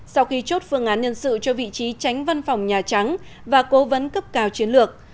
sau khi chốt phương án nhân sự cho vị trí tránh văn phòng nhà trắng và cố vấn cấp cao chiến lược